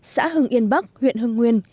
xã hưng yên bắc huyện hưng nguyên